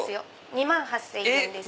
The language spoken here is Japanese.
２万８０００円です。